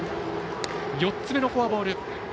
４つ目のフォアボール。